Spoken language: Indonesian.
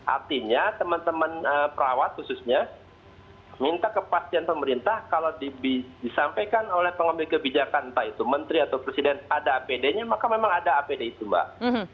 artinya teman teman perawat khususnya minta kepastian pemerintah kalau disampaikan oleh pengambil kebijakan entah itu menteri atau presiden ada apd nya maka memang ada apd itu mbak